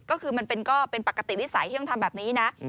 ก็คือมันก็เป็นปกติวิสัยที่ต้องทำแบบนี้นะ